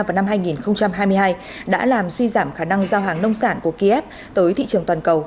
vào năm hai nghìn hai mươi hai đã làm suy giảm khả năng giao hàng nông sản của kiev tới thị trường toàn cầu